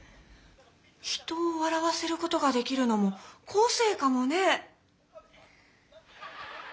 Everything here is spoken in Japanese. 人をわらわせることができるのもこせいかもね！